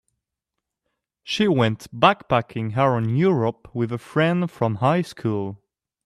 She went backpacking around Europe with a friend from high school.